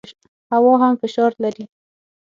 هوا هم فشار لري.